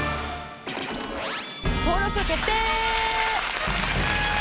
登録決定！